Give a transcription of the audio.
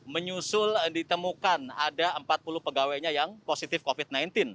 menyusul ditemukan ada empat puluh pegawainya yang positif covid sembilan belas